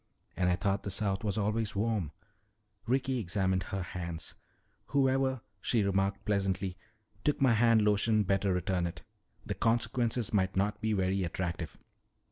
"And I thought the South was always warm." Ricky examined her hands. "Whoever," she remarked pleasantly, "took my hand lotion better return it. The consequences might not be very attractive."